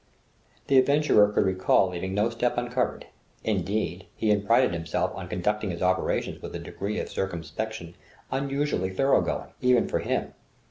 The adventurer could recall leaving no step uncovered. Indeed, he had prided himself on conducting his operations with a degree of circumspection unusually thorough going, even for him.